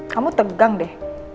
kamu tegang deh